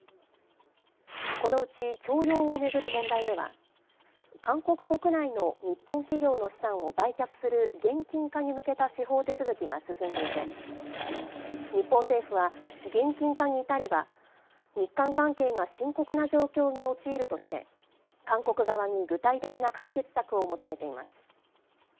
このうち徴用を巡る問題では、韓国国内の日本企業の資産を売却する現金化に向けた司法手続きが進んでいて、日本政府は、現金化に至れば、日韓関係が深刻な状況に陥るとして、韓国側に具体的な解決策を求めています。